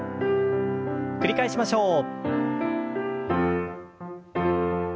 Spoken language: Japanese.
繰り返しましょう。